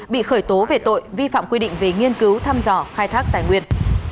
bị khởi tố về tội vi phạm quy định về nghiên cứu thăm dò khai thác tài nguyên